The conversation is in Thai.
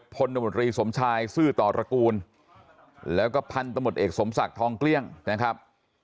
พลตมตรีสมชายซื่อต่อตระกูลแล้วก็พันธมตเอกสมศักดิ์ทองเกลี้ยงนะครับ